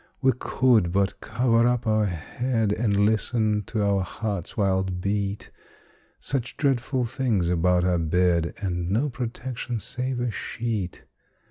We could but cover up our head, And listen to our heart's wild beat Such dreadful things about our bed, And no protection save a sheet!